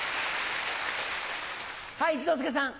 はい一之輔さん。